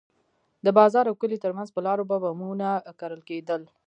د بازار او کلي ترمنځ پر لارو به بمونه کرل کېدل.